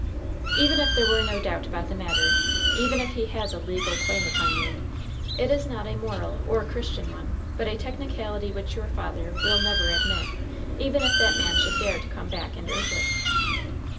"Even if there were no doubt about the matter even if he has a legal claim upon you it is not a moral or Christian one, but a technicality which your father will never admit, even if that man should dare to come back and urge it."